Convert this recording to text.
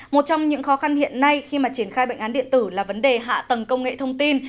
một trong những khó khăn hiện nay khi mà triển khai bệnh án điện tử là vấn đề hạ tầng công nghệ thông tin